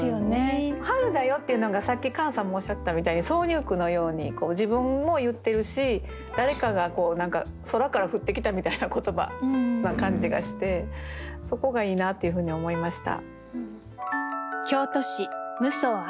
「春だよ」っていうのがさっきカンさんもおっしゃってたみたいに挿入句のように自分も言ってるし誰かがこう何か空から降ってきたみたいな言葉な感じがしてそこがいいなっていうふうに思いました。